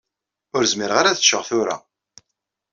Ur zmireɣ ara ad ččeɣ tura.